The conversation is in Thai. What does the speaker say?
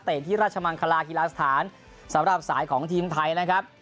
ที่ราชมังคลากีฬาสถานสำหรับสายของทีมไทยนะครับ